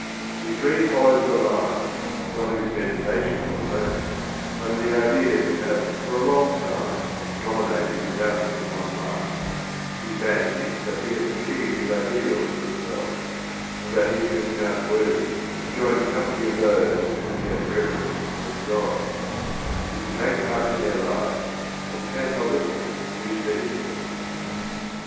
His dream follows the line, not of his meditations of the moment, but of the ideas that have for a long time dominated his outlook upon life ; he fancies that he has achieved his ideals as a poet, and that he has been found worthy to join the company of those whom he has reverenced as gods; he can take part in their life and can a little use their instruments.